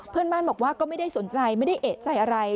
เพื่อนบ้านบอกว่าก็ไม่ได้สนใจไม่ได้เอกใจอะไร